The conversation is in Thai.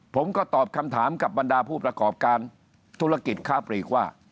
ผมก็ตอบคำถามกับบรรดาผู้ประกอบการธุรกิจค้าปลีกว่า